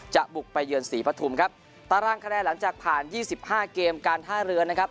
จะปุกไปเยี้ยนสี่พัดธุมนะครับตารางคล้ายหลังจากผ่านยี่สิบห้าเกมการท่าเรือนะครับ